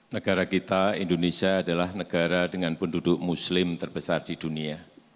negara kita indonesia adalah negara dengan penduduk muslim terbesar di dunia